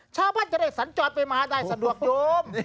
ชาวบ้านจะได้สัญจรไปมาได้สะดวกโดม